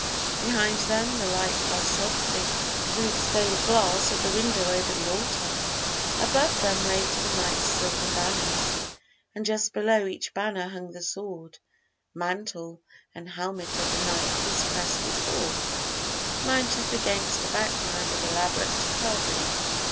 Behind them the light fell softly through the stained glass of the window over the altar; above them waved the knights' silken banners, and just below each banner hung the sword, mantle, and helmet of the knight whose crest it bore, mounted against a background of elaborate carving.